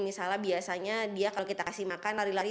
misalnya biasanya dia kalau kita kasih makan lari lari